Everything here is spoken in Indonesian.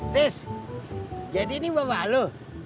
tis jadi ini bapak lu